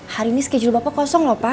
hari ini schedule bapak kosong lho pak